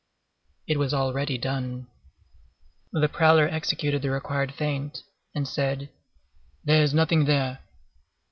It was already done. The prowler executed the required feint, and said:— "There is nothing there."